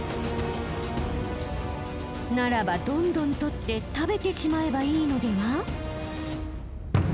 ならばどんどん取って食べてしまえばいいのでは？